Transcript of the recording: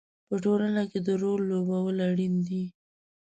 په ټولنه کې د رول لوبول اړین دي.